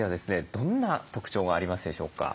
どんな特徴がありますでしょうか？